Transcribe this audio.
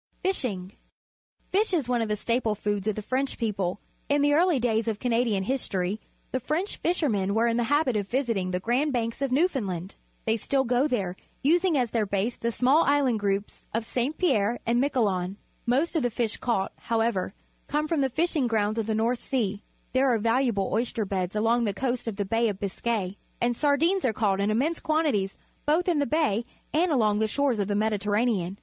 Fishing. — Fish is one of the staple foods of the French people. Tn the early daj^s of Canadian history, the French fishermen were in the habit of visiting the Grand Banks of Newfoundland. They still gotherer using as their base the small island groups of St Pierre and Miquelon. Most of the fish caught, however, come from the fishing grounds of the North Sea. There are valu able oyster beds alongTHe coast of the Bay of Biscay, and sardings are caught in immense quantities both in the Bay and along the shores of the Mediterranean.